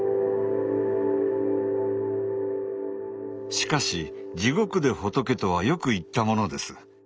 しかし地獄で仏とはよく言ったものです。